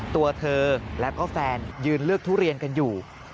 ตัวเธอแล้วก็แฟนยืนเลือกทุเรียนกันอยู่